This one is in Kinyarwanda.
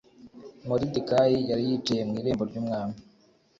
moridekayi yari yicaye mu irembo ry'umwami